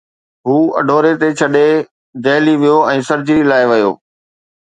هو اڍوري کي ڇڏي دهلي ويو ۽ سرجري لاءِ ويو